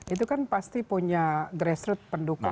itu kan pasti punya dress route pendukung